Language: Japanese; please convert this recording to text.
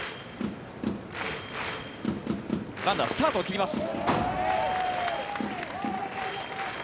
ランナー、スタートを切ります。